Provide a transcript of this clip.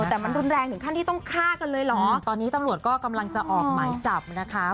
แต่มันรุนแรงถึงขั้นที่ต้องฆ่ากันเลยเหรอตอนนี้ตำรวจก็กำลังจะออกหมายจับนะคะ